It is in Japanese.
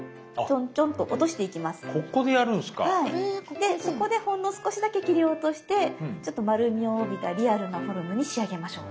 でそこでほんの少しだけ切り落としてちょっと丸みを帯びたリアルなフォルムに仕上げましょう。